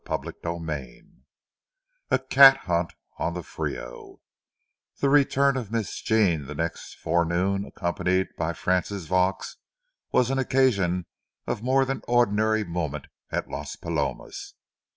CHAPTER VIII A CAT HUNT ON THE FRIO The return of Miss Jean the next forenoon, accompanied by Frances Vaux, was an occasion of more than ordinary moment at Las Palomas.